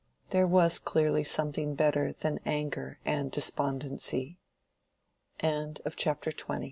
There was clearly something better than anger and despondency. CHAPTER XXI.